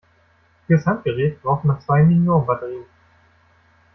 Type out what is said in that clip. Fürs Handgerät braucht man zwei Mignon-Batterien.